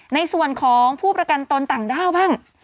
ในส่วนของผู้ประกันตนต่างด้าวบ้าง